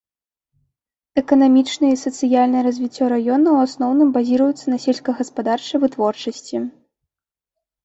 Эканамічнае і сацыяльнае развіццё раёна ў асноўным базіруецца на сельскагаспадарчай вытворчасці.